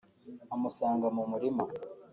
amusanga mu murima